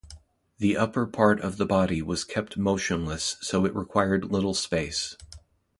The upper part of the body was kept motionless so it required little space.